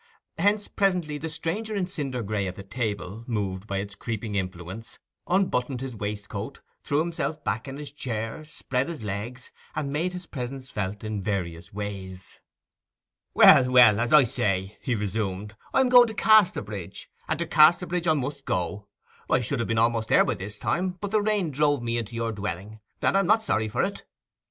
Hence, presently, the stranger in cinder gray at the table, moved by its creeping influence, unbuttoned his waistcoat, threw himself back in his chair, spread his legs, and made his presence felt in various ways. 'Well, well, as I say,' he resumed, 'I am going to Casterbridge, and to Casterbridge I must go. I should have been almost there by this time; but the rain drove me into your dwelling, and I'm not sorry for it.